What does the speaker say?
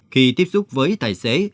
khi tiếp xúc với tài xế